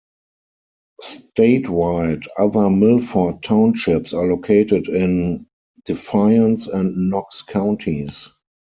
Statewide, other Milford Townships are located in Defiance and Knox counties.